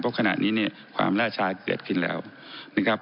เพราะขณะนี้เนี่ยความล่าช้าเกิดขึ้นแล้วนะครับ